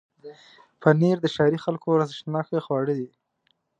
پنېر د ښاري خلکو ارزښتناکه خواړه دي.